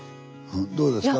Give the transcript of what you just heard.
どうですか？